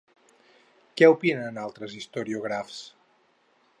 Què opinen altres historiògrafs?